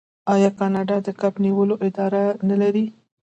آیا کاناډا د کب نیولو اداره نلري؟